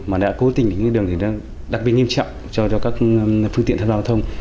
mà đã cố tình đến đường thì nó đặc biệt nghiêm trọng cho các phương tiện tham gia giao thông